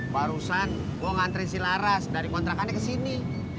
barusan gue ngantri si laras dari kontrakannya ke sini